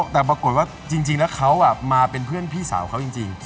แต่ปรากฏว่าจริงแล้วเขามาเป็นเพื่อนพี่สาวเขาจริง